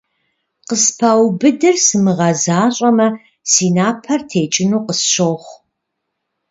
Къыспаубыдыр сымыгъэзащӀэмэ, си напэр текӀыну къысщохъу.